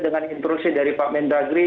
dengan intrusi dari pak mendagri